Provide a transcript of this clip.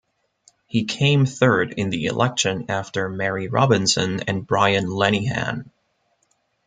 He came third in the election after Mary Robinson and Brian Lenihan.